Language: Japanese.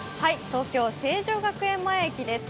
東京・成城学園前駅です。